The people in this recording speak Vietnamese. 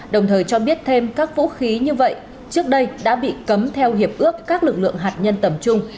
đồng thời cho biết thêm các vũ khí như vậy trước đây đã bị cấm theo hiệp ước các lực lượng hạt nhân tầm trung